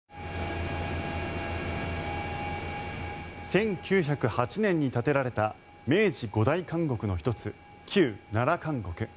１９０８年に建てられた明治五大監獄の１つ旧奈良監獄。